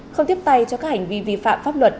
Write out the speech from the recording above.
không tiếp tay cho các hành vi vi phạm pháp luật